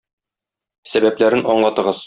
Сәбәпләрен аңлатыгыз.